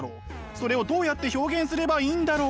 「それをどうやって表現すればいいんだろう？」。